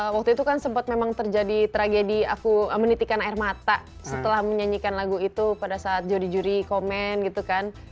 waktu itu kan sempat memang terjadi tragedi aku menitikan air mata setelah menyanyikan lagu itu pada saat juri juri komen gitu kan